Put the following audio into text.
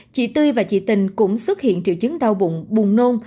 chị tươi và chị tình cũng xuất hiện triệu chứng đau bụng bùng nôn